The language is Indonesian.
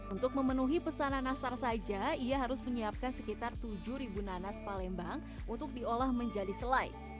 untuk memenuhi pesanan nastar saja ia harus menyiapkan sekitar tujuh nanas palembang untuk diolah menjadi selai